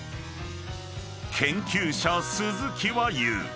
［研究者鈴木は言う］